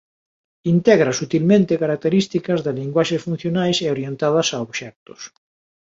Integra sutilmente características das linguaxes funcionais e orientadas a obxectos.